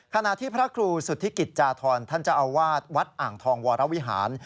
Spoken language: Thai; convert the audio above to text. ขณะที่พระครูสุธิกิจจาธรท่านเจ้าอาวาสวัดอ่างทองวรวิหาร